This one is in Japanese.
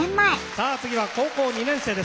さあ次は高校２年生です。